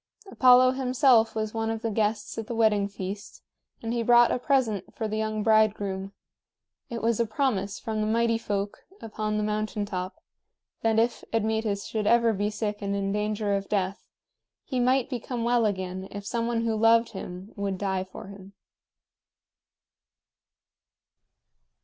Apollo himself was one of the guests at the wedding feast, and he brought a present for the young bridegroom; it was a promise from the Mighty Folk upon the mountain top that if Admetus should ever be sick and in danger of death, he might become well again if some one who loved him would die for him.